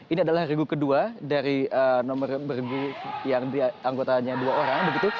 ini adalah regu kedua dari nomor bergu yang anggotanya dua orang